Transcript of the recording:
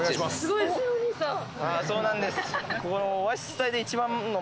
そうなんです。